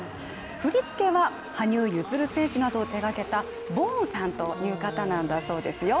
振り付けは羽生結弦選手などを手がけたボーンさんという方なんだそうですよ。